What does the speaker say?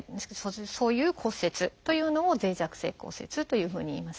そういう骨折というのを脆弱性骨折というふうにいいます。